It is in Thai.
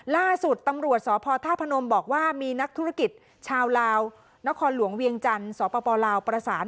ล่าสุดตำรวจสพธาตุพนมบอกว่ามีนักธุรกิจชาวลาวนครหลวงเวียงจันทร์สปลาวประสาน